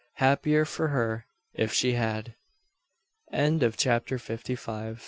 Happier for her, if she had. CHAPTER FIFTY SIX.